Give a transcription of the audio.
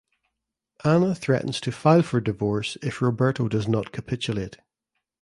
Anna threatens to file for divorce if Roberto does not capitulate.